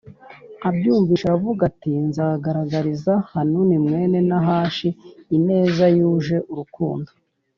abyumvise aravuga ati nzagaragariza Hanuni mwene Nahashi ineza yuje urukundo